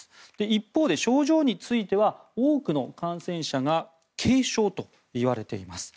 一方で症状については多くの感染者が軽症といわれています。